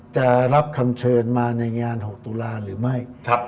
จะรับคำเชิญมาในงาน๖ตุลาหรือไม่